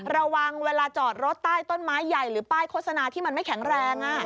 ระวังเวลาจอดรถใต้ต้นไม้ใหญ่หรือป้ายโฆษณาที่มันไม่แข็งแรง